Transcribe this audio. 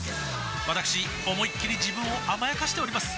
わたくし思いっきり自分を甘やかしております